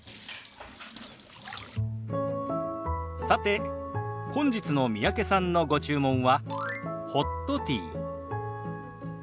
さて本日の三宅さんのご注文はホットティー。